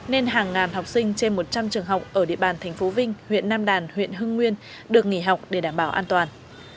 nên hàng ngàn học sinh trên một trăm linh trường học ở địa bàn tp vinh huyện nam đàn huyện hưng nguyên được nghỉ học để đảm bảo an toàn